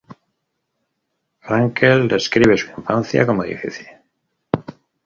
Frankel describe su infancia como difícil.